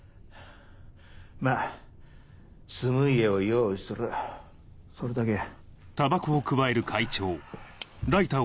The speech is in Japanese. まぁ住む家を用意するそれだけや。